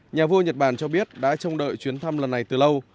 nhà vua nhật bản cho biết đã trông đợi chuyến thăm lần này từ lâu